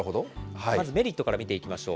まずメリットから見ていきましょう。